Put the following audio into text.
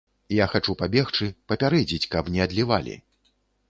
Я хачу пабегчы, папярэдзіць, каб не адлівалі.